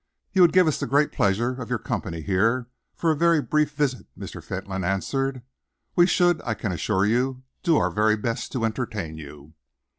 "You would give us the great pleasure of your company here for a very brief visit," Mr. Fentolin answered. "We should, I can assure you, do our very best to entertain you."